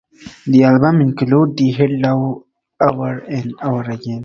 The album included the hit Love Over and Over Again.